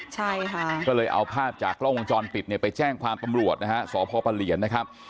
ใช่ค่ะก็เลยเอาภาพจากกล้องวงจรปิดเนี่ยไปแจ้งความตำรวจนะฮะสพปะเหลียนนะครับ